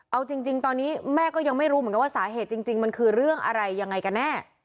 เอาจริงตอนนี้แม่ก็ยังไม่รู้เหมือนกันว่าสาเหตุจริงมันคือเรื่องอะไรยังไงกันแน่